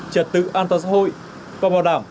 trật tự an toàn xã hội và bảo đảm